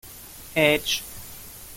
Ätsch!